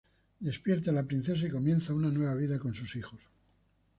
Despierta la princesa y comienza una nueva vida con sus hijos.